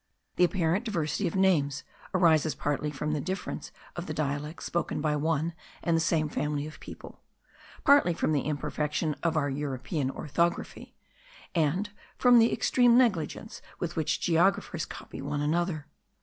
The apparent diversity of names arises partly from the difference of the dialects spoken by one and the same family of people, partly from the imperfection of our European orthography, and from the extreme negligence with which geographers copy one another.